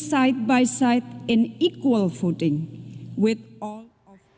hidup satu demi satu dan berpenggunaan bersama sama